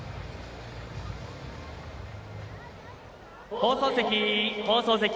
放送席、放送席。